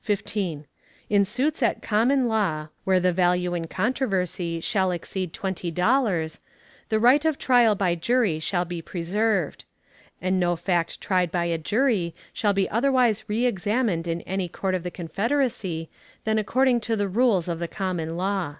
15. In suits at common law, where the value in controversy shall exceed twenty dollars, the right of trial by jury shall be preserved; and no fact tried by a jury shall be otherwise reëxamined in any court of the Confederacy than according to the rules of the common law.